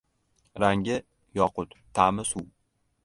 • Rangi — yoqut, ta’mi — suv.